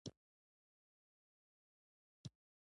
مېلما مې په مېلمستون کې کښېناولی دی